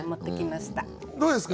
どうですか？